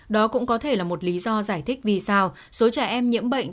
đó cũng có thể là một lý do giải thích vì sao số trẻ em nhiễm bệnh